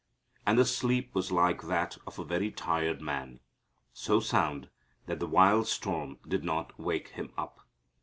And the sleep was like that of a very tired man, so sound that the wild storm did not wake Him up.